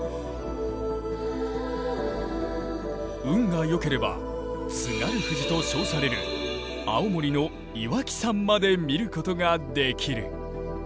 運が良ければ津軽富士と称される青森の岩木山まで見ることができる。